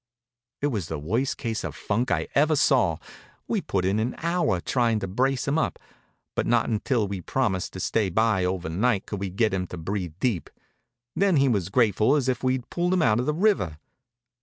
It was the worst case of funk I ever saw. We put in an hour trying to brace him up, but not until we'd promised to stay by over night could we get him to breathe deep. Then he was as grateful as if we'd pulled him out of the river.